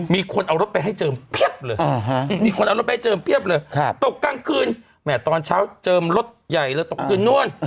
มีคนเอารถไปให้เจิมเพียบเลยตกกล้างคืนตอนเช้าเจิมรถใหญ่แล้วตกกล้างคืนนู้น